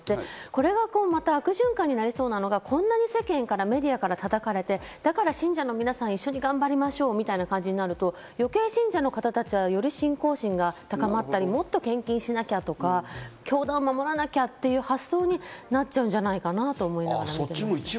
これがまた悪循環になりそうなのが、こんなに世間からメディアから叩かれて、だから信者の皆さん、一緒に頑張りましょうみたいな感じになると余計、信者の方はより信仰心が高まったり、もっと献金しなきゃとか、教団を守らなきゃっていう発想になっちゃうんじゃないかなぁと思いました。